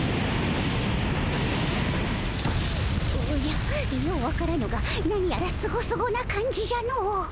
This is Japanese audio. おじゃよう分からぬが何やらスゴスゴな感じじゃのう。